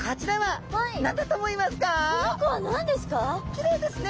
きれいですね。